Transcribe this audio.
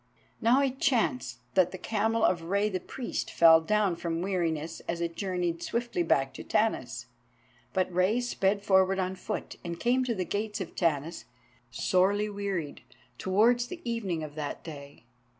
Now it chanced that the camel of Rei the Priest fell down from weariness as it journeyed swiftly back to Tanis. But Rei sped forward on foot, and came to the gates of Tanis, sorely wearied, towards the evening of that day.